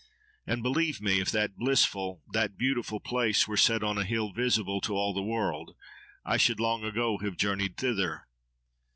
And believe me, if that blissful, that beautiful place, were set on a hill visible to all the world, I should long ago have journeyed thither.